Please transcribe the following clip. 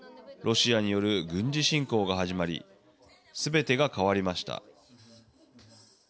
ロシアによる軍事侵攻が始まりすべてが変わりました。